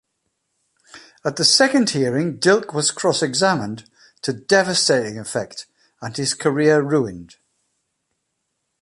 At the second hearing Dilke was cross-examined to devastating effect and his career ruined.